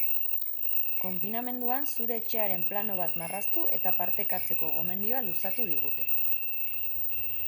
Konfinamenduan zure etxearen plano bat marraztu eta partekatzeko gomendioa luzatu digute.